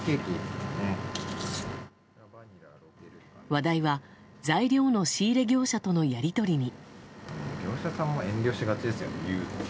話題は材料の仕入れ業者とのやり取りに。